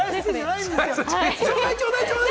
ちょうだい、ちょうだい！